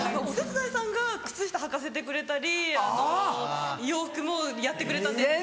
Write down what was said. お手伝いさんが靴下はかせてくれたり洋服もやってくれたんで。